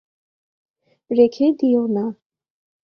রেখে দিও না।